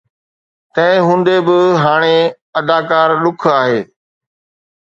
تنهن هوندي به، هاڻي اداڪار ڏک آهي